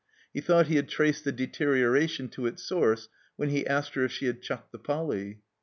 He thought he had traced the deterioration to its soiu'ce when he asked her if she had chucked the Poly.